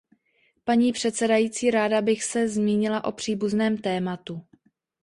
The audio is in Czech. Paní předsedající, ráda bych se zmínila o příbuzném tématu.